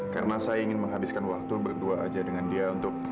karena saya ingin menghabiskan waktu berdua aja dengan dia untuk